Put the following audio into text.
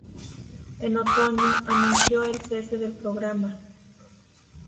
En otoño anunció el cese del programa.